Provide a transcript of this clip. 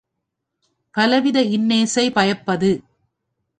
பலவித இன்னேசை பயப்பது.